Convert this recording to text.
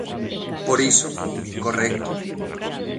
Por iso, correcto.